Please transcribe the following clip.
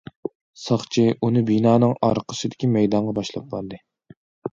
ساقچى ئۇنى بىنانىڭ ئارقىسىدىكى مەيدانغا باشلاپ باردى.